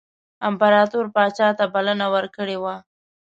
امپراطور پاچا ته بلنه ورکړې وه.